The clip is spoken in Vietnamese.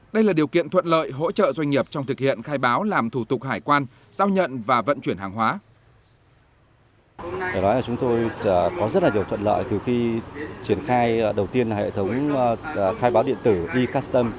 đây là điều kiện thuận lợi hỗ trợ doanh nghiệp trong thực hiện khai báo làm thủ tục hải quan giao nhận và vận chuyển hàng hóa